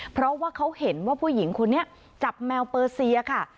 เพราะว่าเขาเห็นว่าผู้หญิงคนนี้จับแมวเปอร์เซียค่ะ